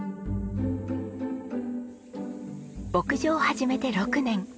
牧場を始めて６年。